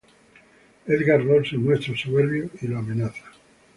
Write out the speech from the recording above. Edgar Ross se muestra soberbio y lo amenaza.